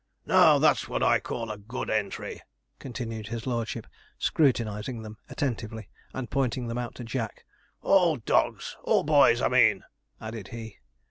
'Now, that's what I call a good entry,' continued his lordship, scrutinizing them attentively, and pointing them out to Jack; 'all dogs all boys I mean!' added he.